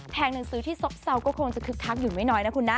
หนังสือที่ซบเซาก็คงจะคึกคักอยู่ไม่น้อยนะคุณนะ